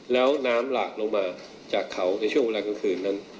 แล้วน้ำหลากลงมาจากเขาในช่วงเวลากลางคืนนั้น